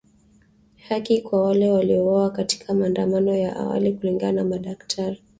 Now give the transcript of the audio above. Haki kwa wale waliouawa katika maandamano ya awali kulingana na madaktari.